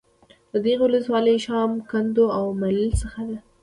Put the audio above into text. د دغې ولسوالۍ شام ، کندو او ملیل څخه د